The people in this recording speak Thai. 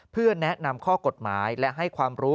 เพื่อแนะนำข้อกฎหมายและให้ความรู้